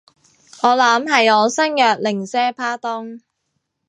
我諗係我身弱，零舍怕凍